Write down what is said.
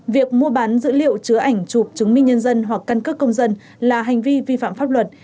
việc mua bán dữ liệu chứa ảnh chụp chứng minh nhân dân hoặc căn cước công dân là hành vi vi phạm pháp luật